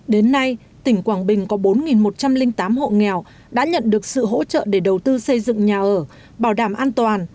đến nay tỉnh quảng bình có bốn một trăm linh tám hộ nghèo đã nhận được sự hỗ trợ để đầu tư xây dựng nhà ở bảo đảm an toàn